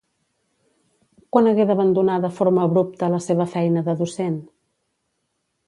Quan hagué d'abandonar de forma abrupta la seva feina de docent?